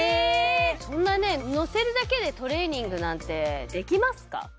そんなね乗せるだけでトレーニングなんてできますか？